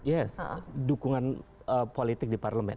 yes dukungan politik di parlemen